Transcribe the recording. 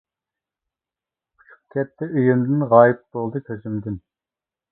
ئۇچۇپ كەتتى ئۆيۈمدىن، غايىب بولدى كۆزۈمدىن.